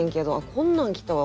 こんなん来たわ。